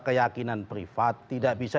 keyakinan privat tidak bisa